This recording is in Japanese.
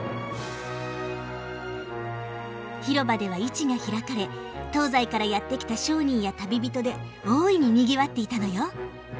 広場では市が開かれ東西からやって来た商人や旅人で大いににぎわっていたのよ。